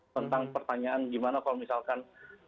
tentang pertanyaan gimana kalau misalkan